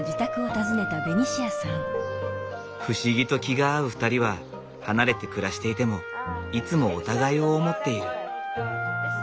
不思議と気が合う２人は離れて暮らしていてもいつもお互いを思っている。